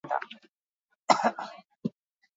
Herritarrak hauteskundeetan parte hartzen.